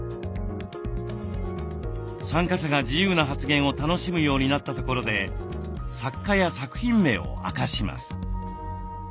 参加者が自由な発言を楽しむようになったところで作家や作品名を明かします。